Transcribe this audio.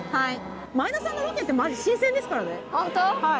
前田さんのロケって新鮮ですからね。